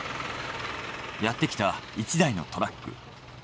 やってきた１台のトラック。